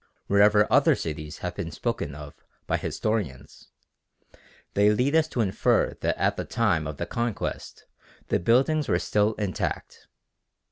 Wherever other cities have been spoken of by historians, they lead us to infer that at the time of the Conquest the buildings were still intact.